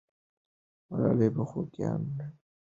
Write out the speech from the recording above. ملالۍ په خوګیاڼیو کارېز کې وه.